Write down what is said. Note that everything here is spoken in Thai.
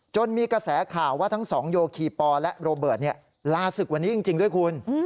มีกระแสข่าวว่าทั้งสองโยคีปอและโรเบิร์ตลาศึกวันนี้จริงด้วยคุณ